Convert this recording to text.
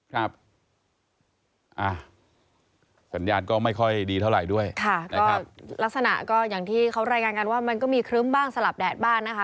ครับสัญญาณก็ไม่ค่อยดีเท่าไหร่ด้วยค่ะนะครับลักษณะก็อย่างที่เขารายงานกันว่ามันก็มีครึ้มบ้างสลับแดดบ้างนะคะ